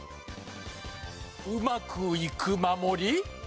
うまくいく守。